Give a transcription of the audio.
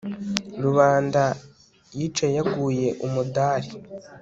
rubanda yicaye yaguye umudali